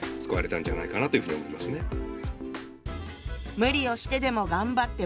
「無理をしてでも頑張って学び